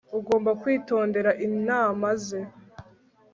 ugomba kwitondera inama ze